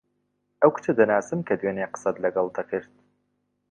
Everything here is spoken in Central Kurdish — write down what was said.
ئەو کچە دەناسم کە دوێنێ قسەت لەگەڵ دەکرد.